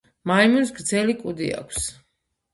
მაიმუნს გრზზელი კუდი აქვს.